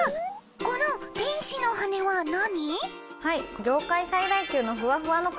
この「天使のはね」は何？